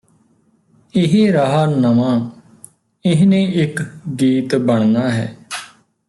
ਇਹ ਰਾਹ ਨਵਾਂ ਇਹਨੇ ਇੱਕ ਗੀਤ ਬਣਨਾ ਹੈ